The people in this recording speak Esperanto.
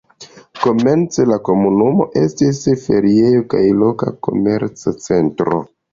Komence la komunumo estis feriejo kaj loka komerca centro.